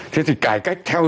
thế thì cải cách theo hướng